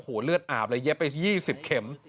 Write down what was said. โอ้โหเลือดอาบเลยเย็บไป๒๐เข็ม